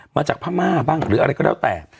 มาจากพม่าบ้างหรืออะไรก็แล้วแต่